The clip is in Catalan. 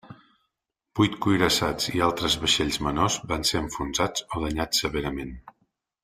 Vuit cuirassats i altres vaixells menors van ser enfonsats o danyats severament.